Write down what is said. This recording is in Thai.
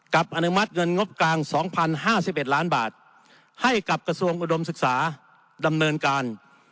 กับอนุมัติเงินงบกลางสองพันห้าสิบเอ็ดล้านบาทให้กับกระทรวงอุดมศึกษาดำเนินการ